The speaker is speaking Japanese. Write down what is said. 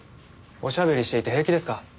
おしゃべりしていて平気ですか？